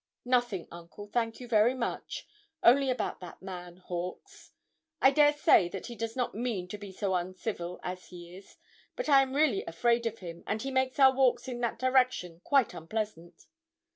'Nothing, uncle, thank you, very much, only about that man, Hawkes; I dare say that he does not mean to be so uncivil as he is, but I am really afraid of him, and he makes our walks in that direction quite unpleasant.'